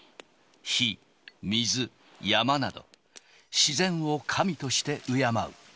火、水、山など、自然を神として敬う。